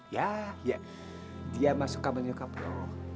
ya ya dia masuk kamar nyokap bro